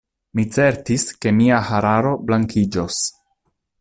Mi certis ke mia hararo blankiĝos.